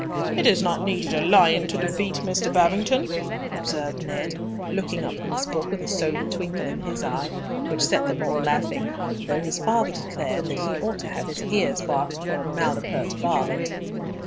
"It has not needed a lion to defeat Mr. Babington," observed Ned, looking up from his book with a sober twinkle in his eye, which set them all laughing, though his father declared that he ought to have his ears boxed for a malapert varlet.